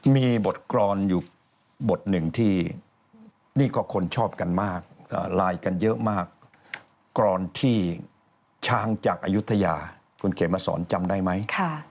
มีบทกรอนอยู่บทหนึ่งที่นี่ก็คนชอบกันมากไลน์กันเยอะมากกรอนที่ช้างจากอายุทยาคุณเขมสอนจำได้ไหม